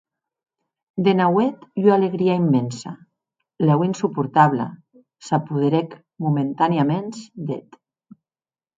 De nauèth ua alegria immensa, lèu insuportabla, s’apoderèc momentanèaments d’eth.